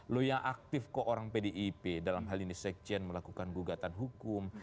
lo yang aktif kok orang pdip dalam hal ini sekjen melakukan gugatan hukum